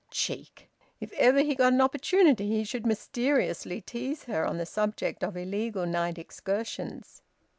"Cheek!" If ever he got an opportunity he should mysteriously tease her on the subject of illegal night excursions!